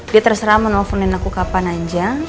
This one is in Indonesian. dia terserah menelponin aku kapan aja